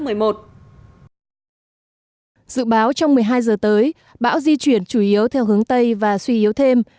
dự báo trong một mươi hai giờ tới bão di chuyển chủ yếu theo hướng tây và suy yếu thêm